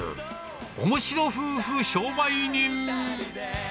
おもしろ夫婦商売人。